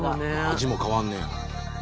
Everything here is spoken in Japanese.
味も変わんねや。